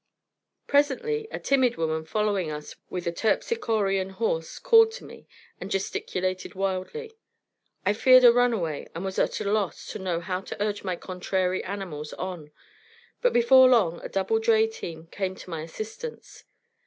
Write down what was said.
Presently a timid woman following us with a terpsichorean horse called to me and gesticulated wildly. I feared a runaway and was at a loss to know how to urge my contrary animals on, but before long a double dray team came to my assistance.